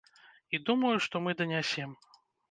І думаю, што мы данясем.